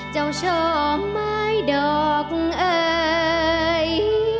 เจ้าชอบไม้ดอกเอ่ย